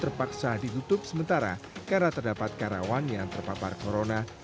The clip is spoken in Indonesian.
terpaksa ditutup sementara karena terdapat karyawan yang terpapar corona